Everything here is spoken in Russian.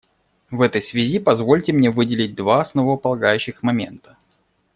В этой связи позвольте мне выделить два основополагающих момента.